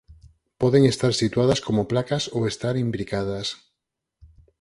Poden estar situadas como placas ou estar imbricadas.